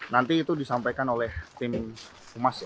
nanti itu disampaikan oleh tim umas ya